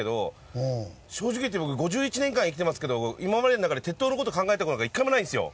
正直言って僕５１年間生きてますけど今までの中で鉄塔の事考えた事なんか一回もないんですよ。